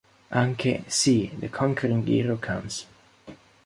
Anche "See, the Conqu'ring Hero Comes!